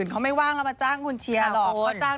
เขาจ้างคนอื่น